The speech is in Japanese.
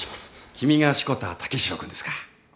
君が志子田武四郎君ですか。